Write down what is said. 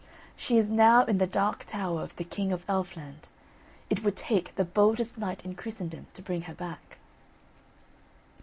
She is now in the Dark Tower of the King of Elfland; it would take the boldest knight in Christendom to bring her back."